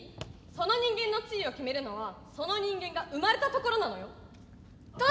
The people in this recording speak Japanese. その人間の地位を決めるのはその人間が生まれた所なのよ。